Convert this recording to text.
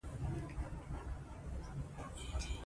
ازادي راډیو د د بیان آزادي په اړه د سیاستوالو دریځ بیان کړی.